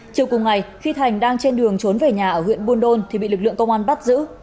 chiều cùng ngày khi thành đang trên đường trốn về nhà ở huyện buôn đôn thì bị lực lượng công an bắt giữ